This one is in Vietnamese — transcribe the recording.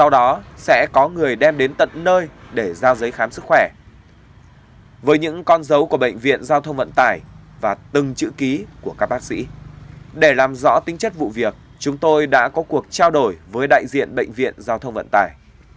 rõ tính chất vụ việc chúng tôi đã có cuộc trao đổi với đại diện bệnh viện giao thông vận tải